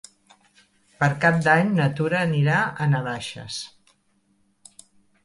Per Cap d'Any na Tura anirà a Navaixes.